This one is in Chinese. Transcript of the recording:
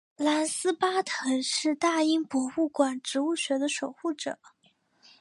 兰斯巴腾是大英博物馆植物学的守护者。